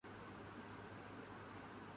Chairman Mao کی تو بات ہی اور تھی۔